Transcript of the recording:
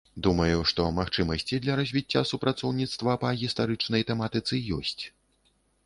Думаю, што магчымасці для развіцця супрацоўніцтва па гістарычнай тэматыцы ёсць.